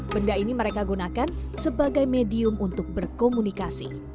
benda ini mereka gunakan sebagai medium untuk berkomunikasi